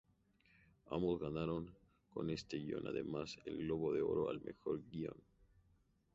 Ambos ganaron con este guion además el Globo de Oro al Mejor Guion.